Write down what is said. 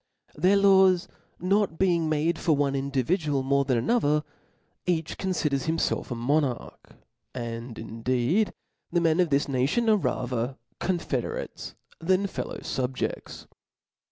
Their laws not being made for one individual more than another, each confiders himfelf as a mo narch ; and, indeed, the men of this nation are ra ther confederates than fellow fubjeds.